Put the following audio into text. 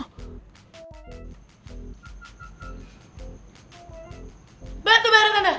batu bara tante batu bara